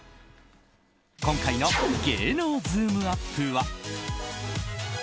今回の芸能ズームＵＰ！は。